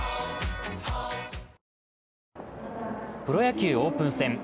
プロ野球オープン戦。